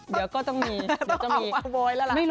เดี๋ยวก็ต้องมี